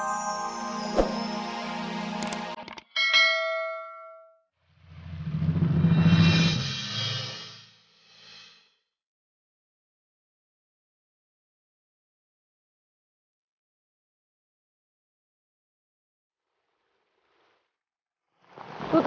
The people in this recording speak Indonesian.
lo harus kejadian lo